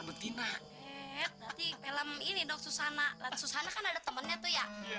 betina film ini dok susana susana ada temennya tuh ya